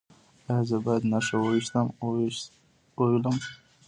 ایا زه باید نښه وویشتم؟